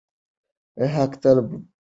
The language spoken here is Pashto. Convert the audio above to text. حق تل برلاسی وي.